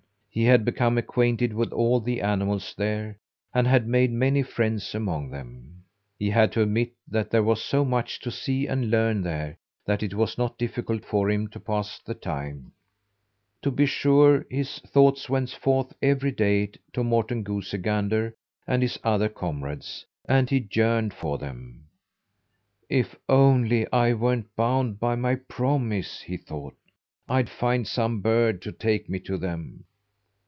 He had become acquainted with all the animals there, and had made many friends among them. He had to admit that there was so much to see and learn there that it was not difficult for him to pass the time. To be sure his thoughts went forth every day to Morten Goosey Gander and his other comrades, and he yearned for them. "If only I weren't bound by my promise," he thought, "I'd find some bird to take me to them!"